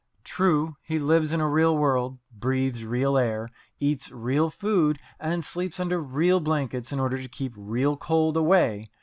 True, he lives in a real world, breathes real air, eats real food, and sleeps under real blankets, in order to keep real cold away.